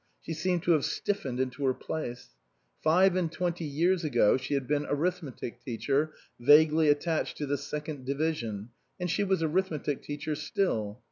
She seemed to have stiffened into her place. Five and twenty years ago she had been arith metic teacher, vaguely attached to the Second Division, and she was arithmetic teacher still.